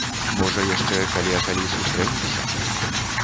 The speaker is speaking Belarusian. Можа, яшчэ калі а калі сустрэнемся.